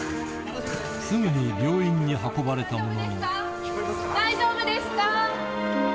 すぐに病院に運ばれたものの大丈夫ですか？